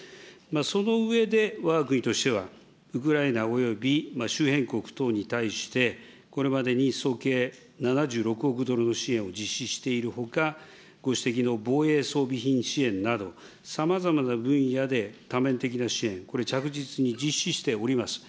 その上でわが国としては、ウクライナおよび周辺国等に対して、これまでに総計７６億ドルの支援を実施しているほか、ご指摘の防衛装備品の支援など、さまざまな分野で多面的な支援、これ、着実に実施しております。